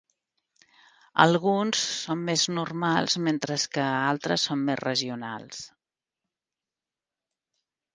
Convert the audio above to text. Alguns són més normals, mentre que altres són més regionals.